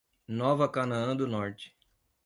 Nova Canaã do Norte